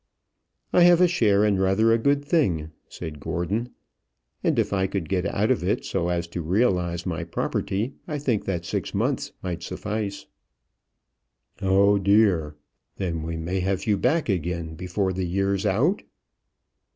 "I have a share in rather a good thing," said Gordon; "and if I could get out of it so as to realise my property, I think that six months might suffice." "Oh, dear! Then we may have you back again before the year's out?"